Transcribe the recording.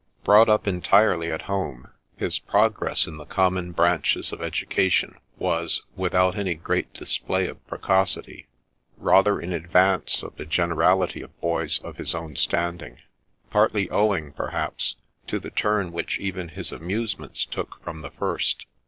Brought up entirely at home, his progress in the common branches of education was, without any great display of precocity, rather in advance of the generality of boys of his own standing ; partly owing, perhaps, to the turn which even his amusements took from the first.